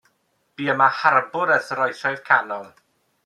Bu yma harbwr ers yr Oesoedd Canol.